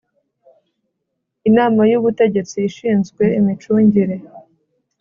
Inama y Ubutegesti ishinzwe imicungire